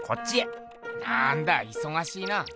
なんだいそがしいな。